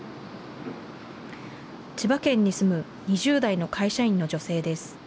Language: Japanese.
千葉県に住む２０代の会社員の女性です。